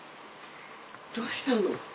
どうしたの。